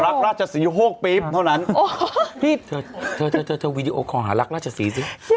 ลักรักจะสีโฮกปี๋แม่งเท่านั้นอ้อเขานี่เลยช่วยทำยังไง